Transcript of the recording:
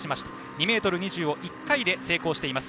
２ｍ２０を１回で成功しています。